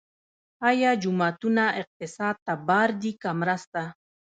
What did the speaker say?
آیا جوماتونه اقتصاد ته بار دي که مرسته؟